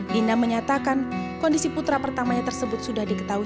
dina menyatakan kondisi putra pertamanya tersebut sudah diketahui